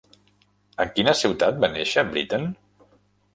En quina ciutat va néixer Britten?